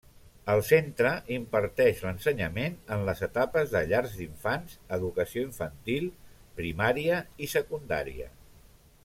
El centre imparteix l'ensenyament en les etapes de Llar d'infants, Educació Infantil, Primària i Secundària.